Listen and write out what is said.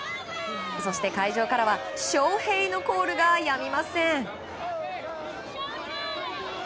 そして会場からはショーヘイのコールがやみません。